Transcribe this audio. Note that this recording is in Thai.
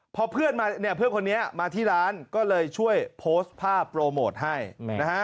พอเพื่อนมาเนี่ยเพื่อนคนนี้มาที่ร้านก็เลยช่วยโพสต์ภาพโปรโมทให้นะฮะ